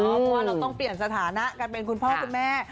เพราะว่าเราต้องเปลี่ยนสถานะกันเป็นคุณพ่อคุณแม่